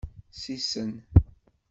Sisen.